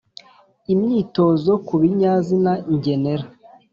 imyitozo ku binyazina ngenera